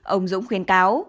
ông dũng khuyên